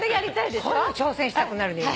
こういうの挑戦したくなるのよ。